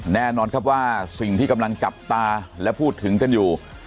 แน่นอนครับว่าสิ่งที่กำลังจับตาและพูดถึงกันอยู่